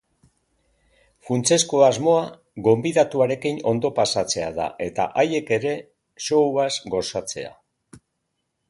Funtsezko asmoa gonbidatuarekin ondo pasatzea da eta haiek ere showaz gozatzea.